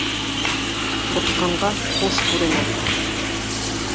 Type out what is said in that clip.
ҠУРҠҠАНҒА ҠУШ КҮРЕНӘ